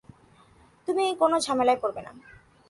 তুমি কোন ঝামেলায় পড়বে না।